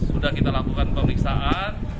sudah kita lakukan pemeriksaan